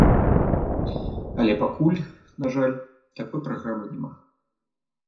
Але пакуль, на жаль, такой праграмы няма.